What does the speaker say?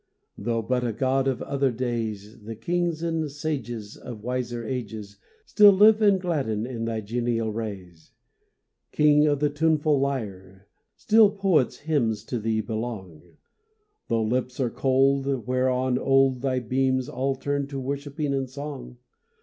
Though but a god of other days, The kings and sages Of wiser ages Still live and gladden in thy genial rays! King of the tuneful lyre, Still poets' hymns to thee belong; Though lips are cold Whereon of old Thy beams all turn'd to worshipping and song!